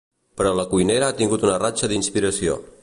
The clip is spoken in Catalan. Però la cuinera ha tingut una ratxa d'inspiració.